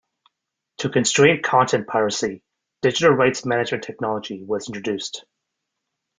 To constrain content piracy, digital rights management technology was introduced.